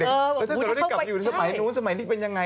ถ้าเราได้กลับอยู่ในสมัยนู้นสมัยนี้เป็นยังไง